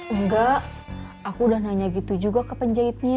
enggak aku udah nanya gitu juga ke penjahitnya